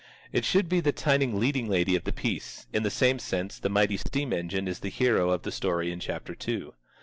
It should be the tiny leading lady of the piece, in the same sense the mighty steam engine is the hero of the story in chapter two.